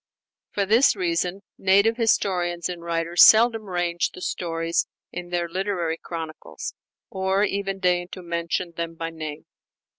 For this reason, native historians and writers seldom range the stories in their literary chronicles, or even deign to mention them by name.